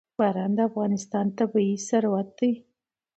باران د افغانستان طبعي ثروت دی.